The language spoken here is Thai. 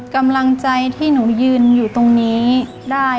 กำลังใจที่หนูยืนอยู่ตรงนี้ได้